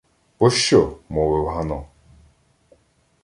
— Пощо? — мовив Гано.